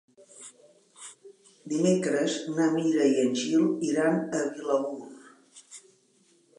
Dimecres na Mira i en Gil iran a Vilaür.